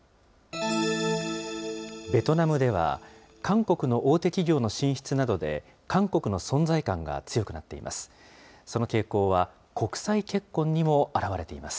ベトナムでは、韓国の大手企業の進出などで、韓国の存在感が強くなっています。